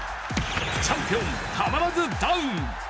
チャンピオン、たまらずダウン。